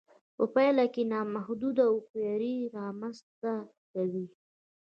په پايله کې نامحدوده هوښياري رامنځته کوي.